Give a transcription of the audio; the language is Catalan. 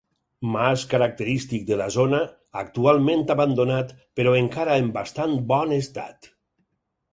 Mas característic de la zona, actualment abandonat, però encara en bastant bon estat.